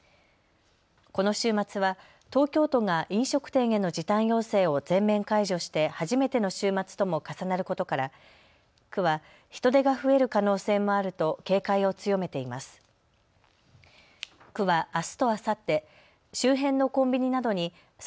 この週末は東京都が飲食店への時短要請を全面解除して初めての週末とも重なることから区は人出が増える可能性もあると警戒を強めています。